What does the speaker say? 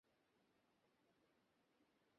দূত হত্যায় তিনি অত্যন্ত মর্মাহত হন।